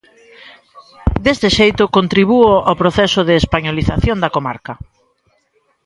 Deste xeito contribúo ao proceso de españolización da comarca.